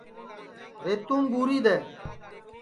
ریتُوم ٻوری دؔے